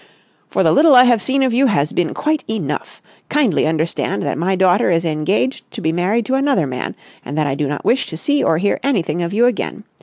"For the little I have seen of you has been quite enough! Kindly understand that my daughter is engaged to be married to another man, and that I do not wish to see or hear anything of you again!